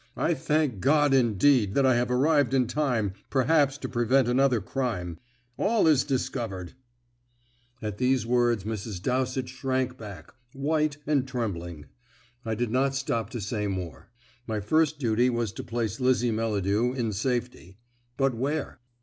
I thank God, indeed, that I have arrived in time, perhaps, to prevent another crime. All is discovered." At these words Mrs. Dowsett shrank back, white and trembling. I did not stop to say more. My first duty was to place Lizzie Melladew in safety; but where?